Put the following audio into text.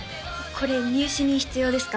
これ入試に必要ですか？